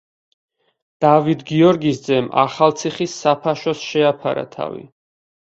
დავით გიორგის ძემ ახალციხის საფაშოს შეაფარა თავი.